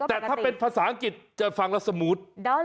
แต่ถ้าเป็นภาษาอังกฤษจะฟังแล้วสมูท